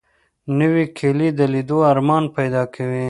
نوې کلی د لیدو ارمان پیدا کوي